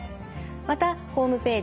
またホームページ